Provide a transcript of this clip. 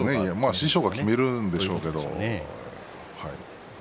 師匠が決めるんでしょうけど。